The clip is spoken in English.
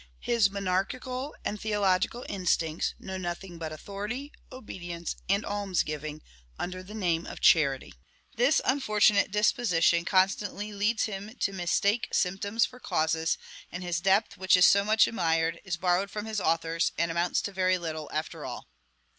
His monarchical and theological instincts know nothing but authority, obedience, and alms giving, under the name of charity. This unfortunate disposition constantly leads him to mistake symptoms for causes; and his depth, which is so much admired, is borrowed from his authors, and amounts to very little, after all.